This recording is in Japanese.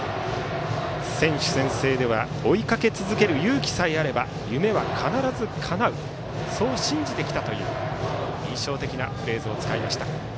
選手宣誓では「追いかけ続ける勇気さえあれば夢は必ずかなう」とそう信じてきたという印象的なフレーズを使いました。